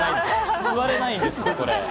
座れないんです、これ。